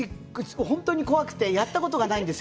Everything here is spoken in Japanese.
ほんとに怖くてやったことがないんです